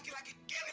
bisa diam tidak kamu